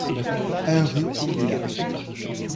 un rue Tour du Lac